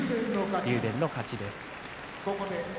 竜電の勝ちです。